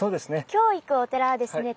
今日行くお寺はですね